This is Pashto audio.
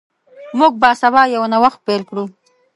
موږ به سبا یو نوښت پیل کړو.